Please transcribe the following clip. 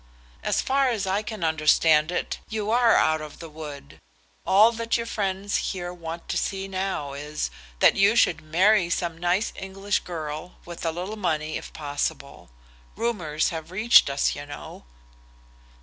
"As far as I can understand it, you are out of the wood. All that your friends here want to see now is, that you should marry some nice English girl, with a little money, if possible. Rumours have reached us, you know."